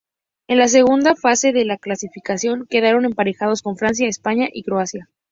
En la segunda fase de clasificación, quedaron emparejados con Francia, España y Croacia.